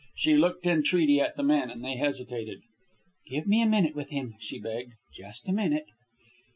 She looked entreaty at the men, and they hesitated. "Give me a minute with him," she begged, "just a minute."